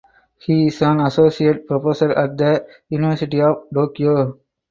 He is an associate professor at the University of Tokyo.